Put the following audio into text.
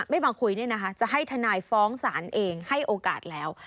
มาคุยเนี่ยนะคะจะให้ทนายฟ้องศาลเองให้โอกาสแล้ว